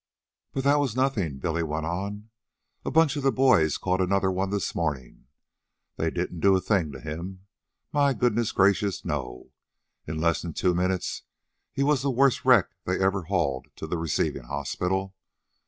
"But that was nothin'," Billy went on. "A bunch of the boys caught another one this morning. They didn't do a thing to him. My goodness gracious, no. In less'n two minutes he was the worst wreck they ever hauled to the receivin' hospital.